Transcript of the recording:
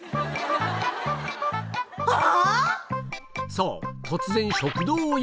・そう！